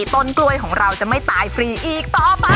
ต้นกล้วยของเราจะไม่ตายฟรีอีกต่อไป